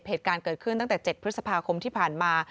เหตุการณ์เกิดขึ้นตั้งแต่๗พฤษภาคมที่ผ่านมา